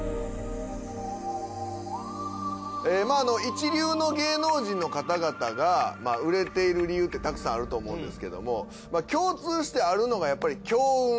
まぁ一流の芸能人の方々が売れている理由ってたくさんあると思うんですけども共通してあるのがやっぱり強運。